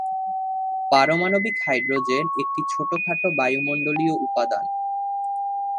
পারমাণবিক হাইড্রোজেন একটি ছোটখাটো বায়ুমণ্ডলীয় উপাদান।